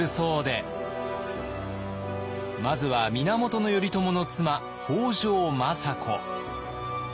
まずは源頼朝の妻北条政子。